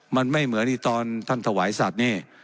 มันไม่เหมือนที่ตอนท่านถวายสัตว์นี่